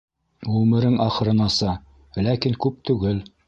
Ғүмерең ахырынаса, ләкин күп түгел.